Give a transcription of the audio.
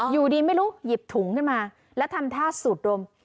อยู่ดีไม่รู้หยิบถุงขึ้นมาแล้วทำท่าสูดดม